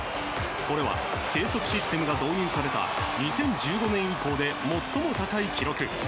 これは、計測システムが導入された２０１５年以降で最も高い記録。